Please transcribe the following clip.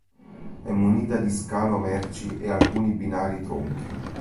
È munita di scalo merci e di alcuni binari tronchi.